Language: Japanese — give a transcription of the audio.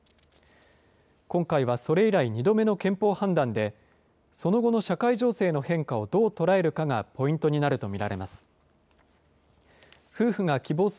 今回はそれ以来、２度目の憲法判断で、その後の社会情勢の変化をどう捉えるかがポイントになると見られます。